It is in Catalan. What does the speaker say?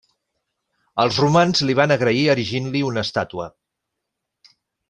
Els romans li van agrair erigint-li una estàtua.